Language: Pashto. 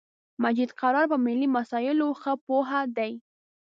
مجید قرار په ملی مسایلو خه پوهه دی